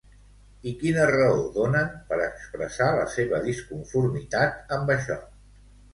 I quina raó donen per expressar la seva disconformitat amb això?